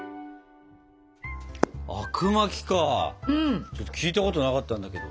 あくまきか聞いたことなかったんだけど。